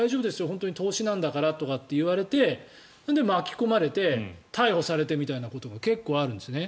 本当に投資なんだからとかって言われてそれで巻き込まれて逮捕されてということが結構あるんですね。